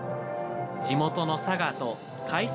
地元の佐賀と開催